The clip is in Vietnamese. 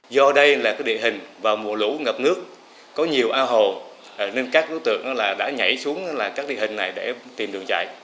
do đây là địa hình vào mùa lũ ngập nước có nhiều ao hồ nên các đối tượng đã nhảy xuống các địa hình này để tìm đường chạy